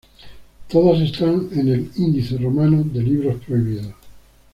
Todas están en el "Índice" romano de libros prohibidos.